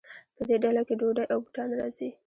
په دې ډله کې ډوډۍ او بوټان راځي.